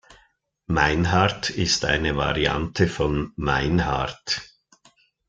Meinhart ist eine Variante von Meinhard.